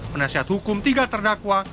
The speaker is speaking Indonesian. penasihat hukum tiga terdakwa